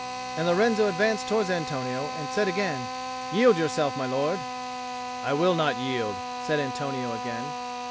And Lorenzo advanced towards Antonio, and said again, "Yield yourself, my lord." "I will not yield," said Antonio again.